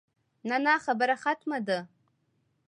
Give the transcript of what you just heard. نه نه خبره ختمه ده.